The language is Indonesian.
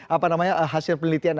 apa namanya hasil penelitian